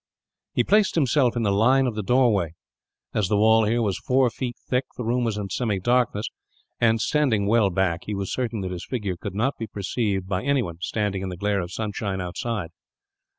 He placed himself in the line of the doorway. As the wall here was four feet thick, the room was in semi darkness and, standing well back, he was certain that his figure could not be perceived by anyone standing in the glare of sunshine outside.